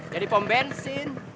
ya di pom bensin